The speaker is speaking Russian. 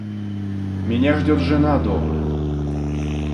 Меня ждёт жена дома.